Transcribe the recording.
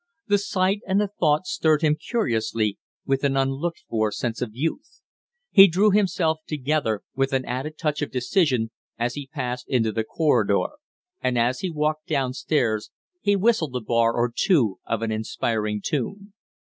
The sight and the thought stirred him curiously with an unlooked for sense of youth. He drew himself together with an added touch of decision as he passed out into the corridor; and as he walked down stairs he whistled a bar or two of an inspiriting tune.